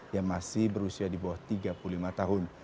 yang masih berusia di bawah tiga puluh lima tahun